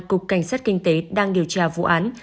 cục cảnh sát kinh tế đang điều tra vụ án